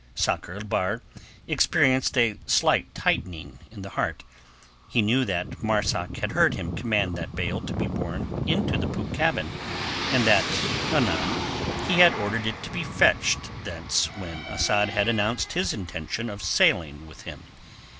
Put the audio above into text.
Sakr el Bahr experienced a slight tightening at the heart. He knew that Marzak had heard him command that bale to be borne into the poop cabin, and that anon he had ordered it to be fetched thence when Asad had announced his intention of sailing with him.